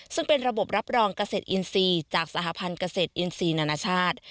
ซึ่งเป็นระบบรับรองกระเศษอินซีจากสหพันธ์กระเศษอินซีนานาชาติ